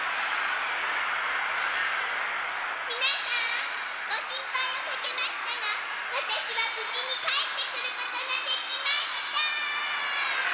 みなさんごしんぱいをかけましたがわたしはぶじにかえってくることができました！